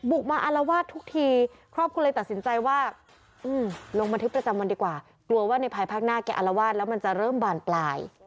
บุกมาอารวาสทุกทีครอบครัวเลยตัดสินใจว่า